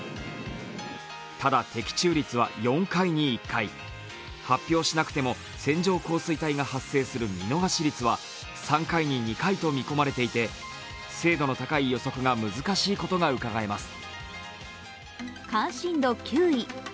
ただ的中率は４回に１回、発表しなくても線状降水帯が発生する見逃し率は３回に２回と見込まれていて精度の高い予測が難しいことがうかがえます。